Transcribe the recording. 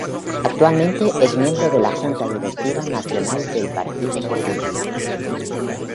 Actualmente es miembro de la Junta Directiva Nacional del Partido Popular.